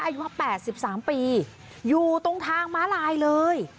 อายุว่าแปดสิบสามปีอยู่ตรงทางมาลายเลย